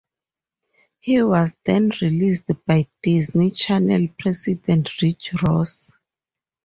He was then replaced by Disney Channel president Rich Ross.